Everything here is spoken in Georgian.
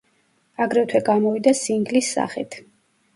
აგრეთვე გამოვიდა სინგლით სახით.